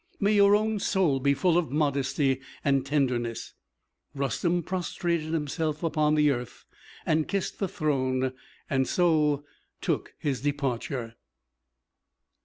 May your own soul be full of modesty and tenderness!" Rustem prostrated himself on the earth, and kissed the throne; and so took his departure.